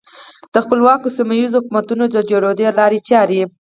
د خپلواکو سیمه ییزو حکومتونو د جوړېدو لارې چارې.